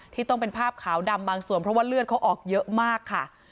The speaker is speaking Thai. ที่ต้องเป็นภาพขาวดำบางส่วนเพราะว่าเลือดเขาออกเยอะมากค่ะ